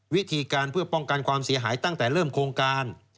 วิธีการเพื่อป้องกันความเสียหายตั้งแต่เริ่มโครงการ